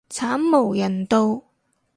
慘無人道